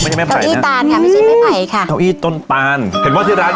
ค่ะไม่ใช่ไม่ผัยหน้าค่ะไม่ใช่ไม่ผัยค่ะต้นต้านเห็นว่าที่ร้าน